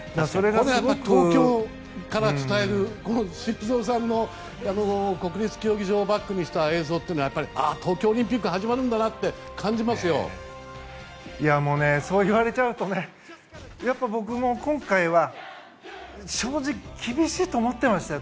東京から伝えるって修造さんも国立競技場をバックにした映像というのは東京オリンピックが始まるんだなってそう言われちゃうと僕も今回は正直厳しいと思っていましたよ